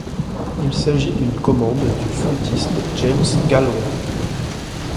Il s'agit d'une commande du flûtiste James Galway.